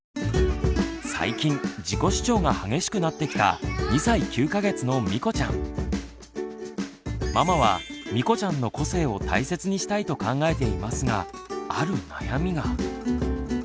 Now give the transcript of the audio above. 最近自己主張が激しくなってきたママはみこちゃんの個性を大切にしたいと考えていますがある悩みが。